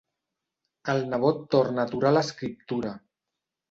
El nebot torna a aturar l'escriptura.